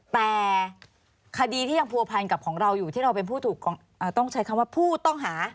แต่คดีที่ยังผัวพันกับของเราอยู่ที่เราเป็นผู้ถูกต้องใช้คำว่าผู้ต้องหา